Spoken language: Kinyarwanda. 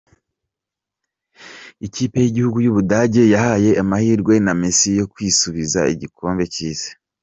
Ikipe y’igihugu y’Ubudage yahaye amahirwe na Messi yo kwisubiza igikombe cy’isi.